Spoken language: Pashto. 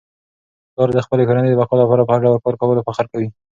پلار د خپلې کورنی د بقا لپاره په هر ډول کار کولو فخر کوي.